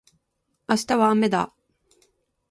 明日はあめだ